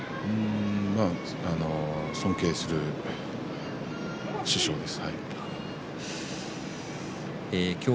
尊敬する師匠です。